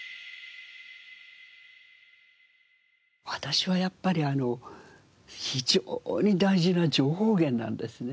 私はやっぱり非常に大事な情報源なんですね。